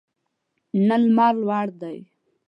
نن لمر لوړ دی